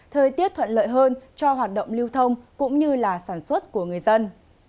thời tiết thuận lợi hơn cho hoạt động lưu thông cũng như là sản xuất của người dân